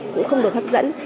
cũng không được hấp dẫn